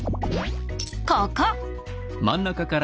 ここ！